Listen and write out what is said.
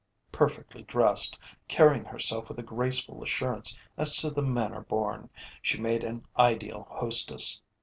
Perfectly dressed, carrying herself with a graceful assurance as to the manner born, she made an ideal hostess.